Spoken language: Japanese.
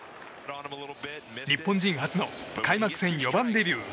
日本人初の開幕戦４番デビュー。